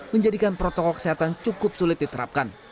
menjadikan protokol kesehatan cukup sulit diterapkan